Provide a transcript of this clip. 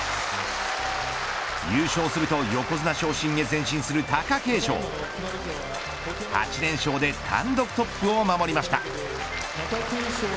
優勝すると横綱昇進へ前進する貴景勝８連勝で単独トップを守りました。